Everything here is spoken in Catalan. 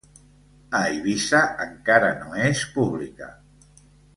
A Eivissa encara no és pública.